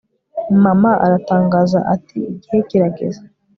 mama aratangaza ati igihe kirageze